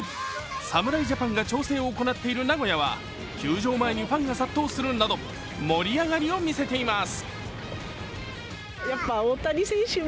侍ジャパンが調整を行っている名古屋は球場前にファンが殺到するなど盛り上がりを見せています。